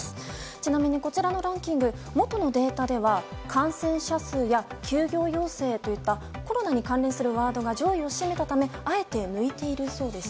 ちなみに、こちらのランキング元のデータでは感染者数や休業要請といったコロナに関連するワードが上位を占めたためあえて抜いているそうです。